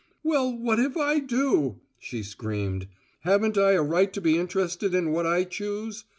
"Well, what if I do?" she screamed. "Haven't I a right to be interested in what I choose?